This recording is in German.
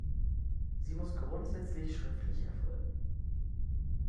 Sie muss grundsätzlich schriftlich erfolgen.